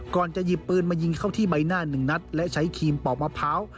ก่อนจะหยิบปืนมายิงเข้าที่ใบหน้าหนึ่งนัดและใช้ครีมปอกมะพร้าว